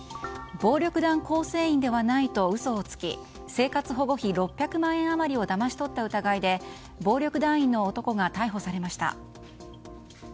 暴力団構成員ではないと嘘をつき生活保護費６００万円余りをだまし取った疑いで暴力団員の男が逮捕されました。